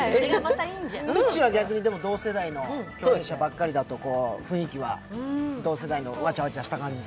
みっちーは逆に同世代の共演者ばかりだと、雰囲気はわちゃわちゃした感じは？